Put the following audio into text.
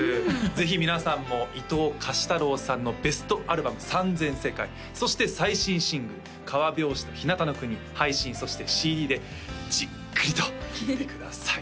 ぜひ皆さんも伊東歌詞太郎さんのベストアルバム「三千世界」そして最新シングル「革表紙」と「ひなたの国」配信そしてＣＤでじっくりと聴いてください